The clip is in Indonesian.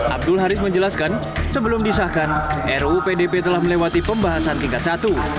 abdul haris menjelaskan sebelum disahkan ruu pdp telah melewati pembahasan tingkat satu